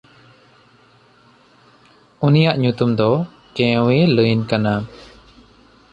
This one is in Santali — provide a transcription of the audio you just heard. ᱩᱱᱤᱭᱟᱜ ᱧᱩᱛᱩᱢ ᱫᱚ ᱠᱮᱶᱮᱞᱟᱹᱭᱤᱱ ᱠᱟᱱᱟ᱾